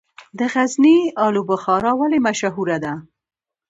د غزني الو بخارا ولې مشهوره ده؟